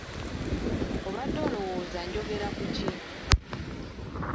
Obadde olowooza njogera ku ki?